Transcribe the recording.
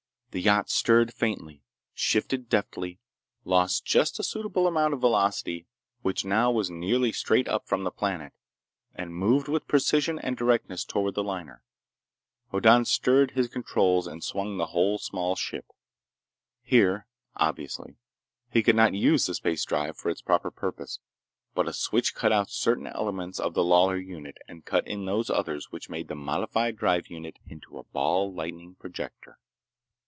The yacht stirred faintly, shifted deftly, lost just a suitable amount of velocity—which now was nearly straight up from the planet—and moved with precision and directness toward the liner. Hoddan stirred his controls and swung the whole small ship. Here, obviously, he could not use the space drive for its proper purpose. But a switch cut out certain elements of the Lawlor unit and cut in those others which made the modified drive unit into a ball lightning projector.